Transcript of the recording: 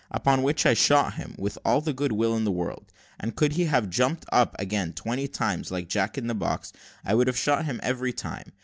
Upon which I shot him, with all the good will in the world, and could he have jumped up again twenty times, like Jack in the box, I would have shot him every time.